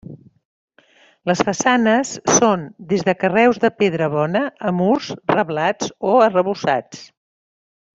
Les façanes són des de carreus de pedra bona a murs reblats o arrebossats.